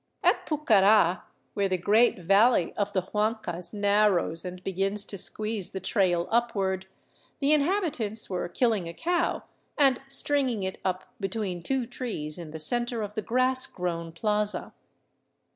At Pucara, where the great valley of the Huancas narrows and begins to squeeze the trail upward, the inhabitants were killing a cow and stringing it up between two trees in the center of the grass grown plaza.